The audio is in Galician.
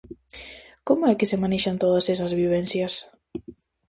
Como é que se manexan todas esas vivencias?